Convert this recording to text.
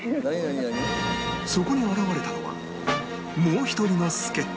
そこに現れたのはもう１人の助っ人